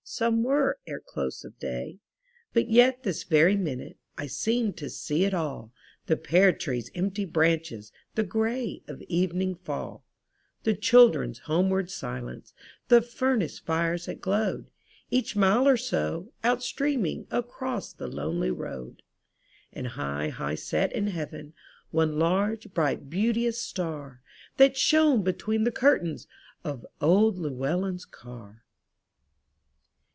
Some were ere close of day. But yet this very minute, I seem to see it all — The pear tree's empty bi anches. The grey of evening fall; The children's homeward silence, The furnace fires that glowed. Each mile or so, out streaming Across the lonely road; And high, high set in heaven, One large, bright, beauteous star, That shone between the curtains Of old Llewellyn's car.